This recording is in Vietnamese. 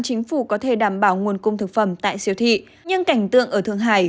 chính phủ có thể đảm bảo nguồn cung thực phẩm tại siêu thị nhưng cảnh tượng ở thường hải